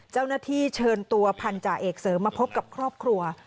เจ้าหน้าที่เชิญตัวพันธาเอกเสริมมาพบกับครอบครัว